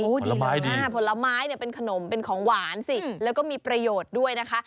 ผลไม้ดีนะฮะผลไม้เป็นขนมเป็นของหวานสิแล้วก็มีประโยชน์ด้วยนะคะ